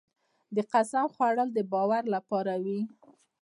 د قسم خوړل د باور لپاره وي.